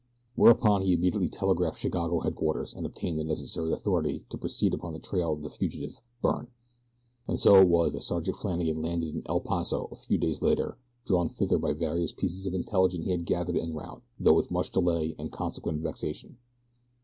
Whereupon he immediately telegraphed Chicago headquarters and obtained the necessary authority to proceed upon the trail of the fugitive, Byrne. And so it was that Sergeant Flannagan landed in El Paso a few days later, drawn thither by various pieces of intelligence he had gathered en route, though with much delay and consequent vexation.